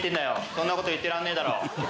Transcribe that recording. そんな事言ってらんねえだろ。